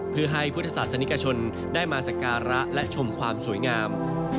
เพื่อให้พุทธศาสนิกชนได้มาสการะและชมความสวยงาม